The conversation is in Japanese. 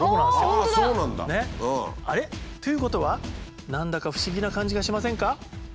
あれ？ということは何だか不思議な感じがしませんか？